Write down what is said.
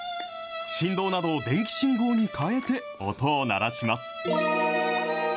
振動などを電気信号に変えて音を鳴らします。